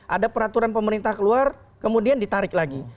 ada peraturan pemerintah keluar kemudian ditarik lagi